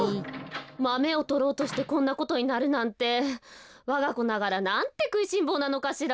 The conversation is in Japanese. マメをとろうとしてこんなことになるなんてわがこながらなんてくいしんぼうなのかしら。